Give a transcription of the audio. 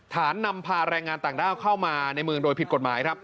นำพาแรงงานต่างด้าวเข้ามาในเมืองโดยผิดกฎหมายครับ